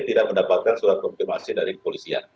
tidak mendapatkan surat konfirmasi dari kepolisian